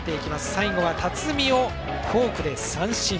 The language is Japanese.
最後は辰己をフォークで三振。